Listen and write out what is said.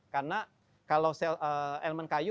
karena kalau ilmen kayu